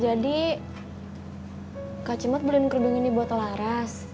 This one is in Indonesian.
tadi kak cimot beliin kerudung ini buat laras